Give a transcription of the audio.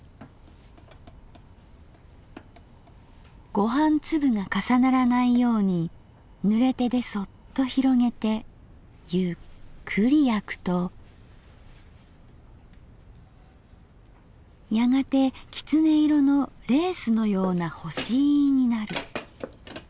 「ご飯粒が重ならないように濡れ手でそっと拡げてゆっくり焼くとやがて狐色のレースのような干飯になる」。